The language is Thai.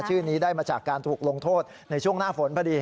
ชื่อนี้ได้มาจากการถูกลงโทษในช่วงหน้าฝนพอดี